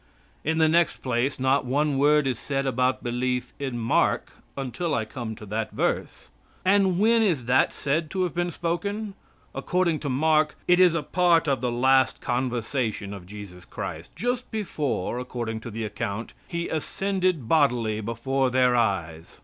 In the next place, not one word is said about belief in Mark, until I come to that verse. And when is that said to have been spoken? According to Mark, it is a part of the last conversation of Jesus Christ just before, according to the account, He ascended bodily before their eyes.